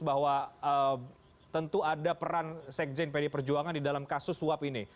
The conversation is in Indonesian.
bahwa tentu ada peran sekjen pd perjuangan di dalam kasus suap ini